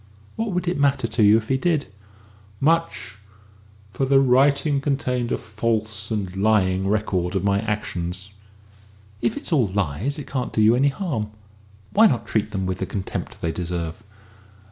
"What would it matter to you if he did?" "Much for the writing contained a false and lying record of my actions." "If it is all lies, it can't do you any harm. Why not treat them with the contempt they deserve?"